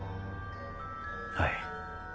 はい。